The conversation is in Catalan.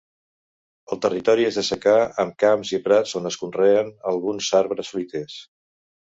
El territori és de secà, amb camps i prats, on es conreen alguns arbres fruiters.